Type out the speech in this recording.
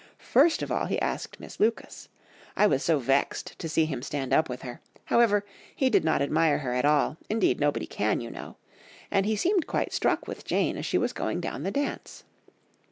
First of all he asked Miss Lucas. I was so vexed to see him stand up with her, however, he did not admire her at all; indeed, nobody can, you know; and he seemed quite struck with Jane as she was going down the dance.